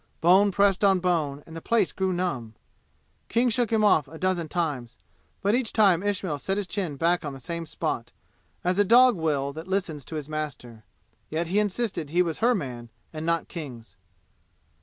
Bone pressed on bone, and the place grew numb; King shook him off a dozen times; but each time Ismail set his chin back on the same spot, as a dog will that listens to his master. Yet he insisted he was her man, and not King's.